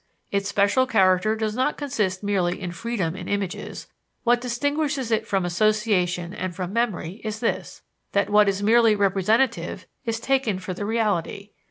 Its special character does not consist merely in freedom in images; what distinguishes it from association and from memory is this that what is merely representative is taken for the reality.